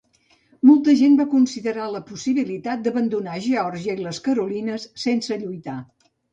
Molta gent va considerar la possibilitat d'abandonar Georgia i les Carolinas sense lluitar.